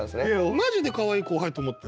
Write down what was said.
マジでかわいい後輩って思ってる。